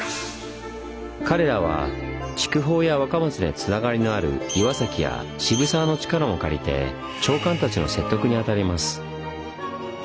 彼らは筑豊や若松でつながりのある岩崎や渋沢の力も借りて長官たちの説得にあたります。